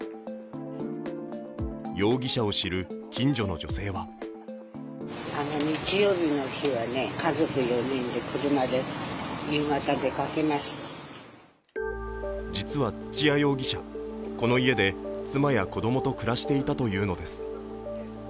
容疑者を知る近所の女性は実は土屋容疑者、この家で妻や子供と暮らしていたというのです。